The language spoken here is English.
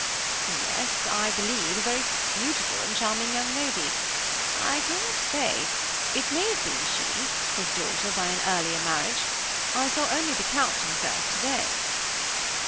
"Yes; I believe a very beautiful and charming young lady I cannot say it may have been she, his daughter by an earlier marriage. I saw only the Count himself today."